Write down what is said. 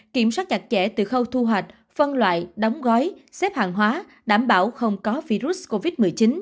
kiểm soát chặt chẽ từ khâu thu hoạch phân loại đóng gói xếp hàng hóa đảm bảo không có virus covid một mươi chín